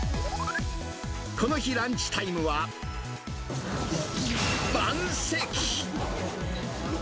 この日、ランチタイムは、満席。